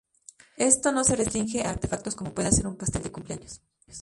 Esto no se restringe a artefactos como pueda ser un pastel de cumpleaños.